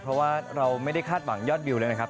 เพราะว่าเราไม่ได้คาดหวังยอดวิวเลยนะครับ